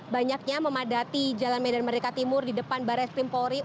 banyaknya memadati jalan medan merdeka timur di depan barreskrim pori